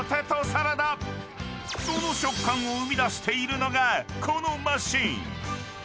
［その食感を生み出しているのがこのマシン！］